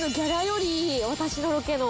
私のロケの。